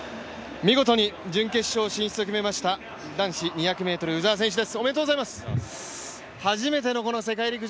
見事に準決勝進出決めました、男子２００ｍ鵜澤選手です。